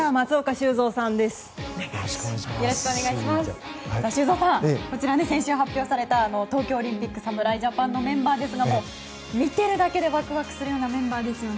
修造さん、こちら先週発表された東京オリンピック侍ジャパンのメンバーですが見ているだけでワクワクするようなメンバーですよね。